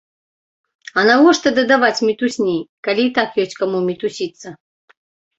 А навошта дадаваць мітусні, калі і так ёсць каму мітусіцца?